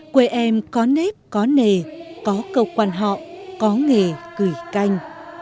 quê em có nếp có nề có câu quan họ có nghề cười canh